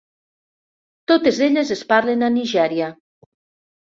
Totes elles es parlen a Nigèria.